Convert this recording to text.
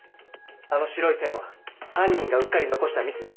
あの白い線は犯人がうっかり残したミスだ。